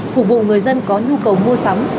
phục vụ người dân có nhu cầu mua sắm